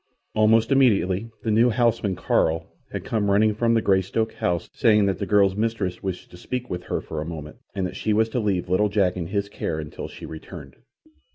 Almost immediately the new houseman, Carl, had come running from the Greystoke house, saying that the girl's mistress wished to speak with her for a moment, and that she was to leave little Jack in his care until she returned.